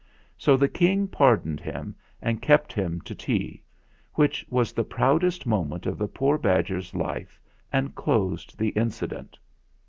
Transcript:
So the King pardoned him, and kept him to tea; which was the proudest moment of the poor badger's life and closed the incident.